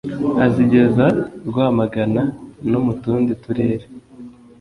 azigeza rwamagana no mutundi turere